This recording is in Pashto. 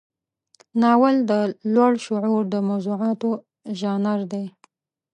ناول د لوړ شعور د موضوعاتو ژانر دی.